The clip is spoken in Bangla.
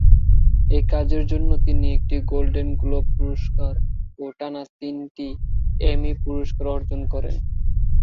এই কাজের জন্য তিনি একটি গোল্ডেন গ্লোব পুরস্কার ও টানা তিনটি এমি পুরস্কার অর্জন করেন।